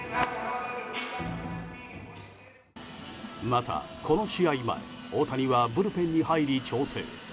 また、この試合前大谷はブルペンに入り調整。